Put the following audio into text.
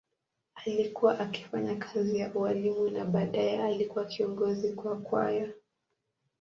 Alikuwa akifanya kazi ya ualimu na baadaye alikuwa kiongozi wa kwaya.